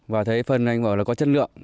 và thấy phân anh bảo là có chất lượng